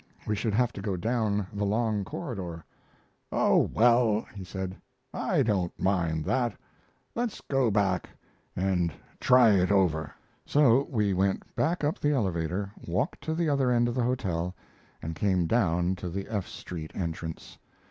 We should have to go down the long corridor. "Oh, well," he said, "I don't mind that. Let's go back and try it over." So we went back up the elevator, walked to the other end of the hotel, and came down to the F Street entrance.